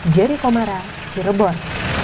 jerry komara cirebon